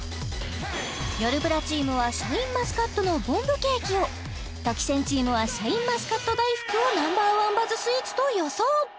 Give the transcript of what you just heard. よるブラチームはシャインマスカットのボンブケーキをとき宣チームはシャインマスカット大福をＮｏ．１バズスイーツと予想